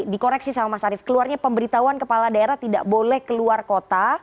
dikoreksi sama mas arief keluarnya pemberitahuan kepala daerah tidak boleh keluar kota